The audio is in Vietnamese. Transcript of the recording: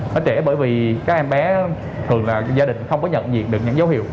nó trễ bởi vì các em bé thường là gia đình không có nhận nhiệt được những dấu hiệu